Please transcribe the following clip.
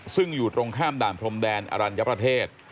ซึ่งอยู่ตรงข้ามด่านพรมแดนอรัญญประเทศ